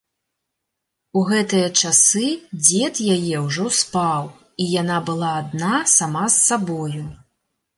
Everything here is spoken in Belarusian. У гэтыя часы дзед яе ўжо спаў, і яна была адна сама з сабою.